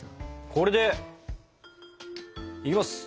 これでいきます！